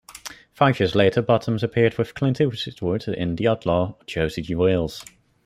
Five years later, Bottoms appeared with Clint Eastwood in "The Outlaw Josey Wales".